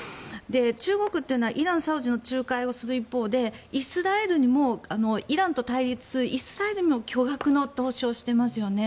中国というのはイラン・サウジの仲介をする一方でイランと対立するイスラエルにも巨額の投資をしてますよね。